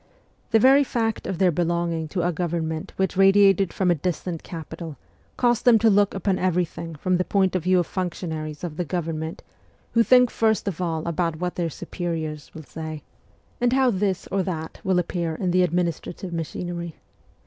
The very fact of their belonging to a government which radiated from a distant capital caused them to look upon everything from the point of view of functionaries of the government, who think first of all about what their superiors will say, 248 MEMOIRS OF A REVOLUTIONIST and how this or that will appear in the administrative machinery.